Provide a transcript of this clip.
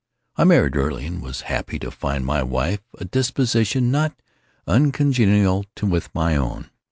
I married early, and was happy to find in my wife a disposition not uncongenial with my own.